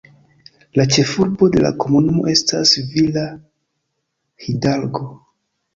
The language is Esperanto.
La ĉefurbo de la komunumo estas Villa Hidalgo.